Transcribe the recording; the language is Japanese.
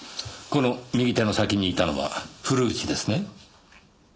この右手の先にいたのは古内ですね？